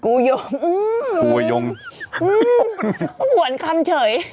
กูยงอืมห่วนคำเฉย